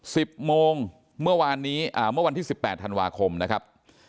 สิบโมงเมื่อวานที่สิบแปดธันวาคมนะครับ